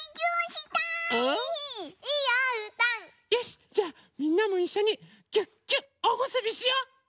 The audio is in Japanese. よしじゃあみんなもいっしょにぎゅっぎゅっおむすびしよう！